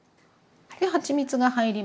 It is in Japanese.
はちみつが入りました。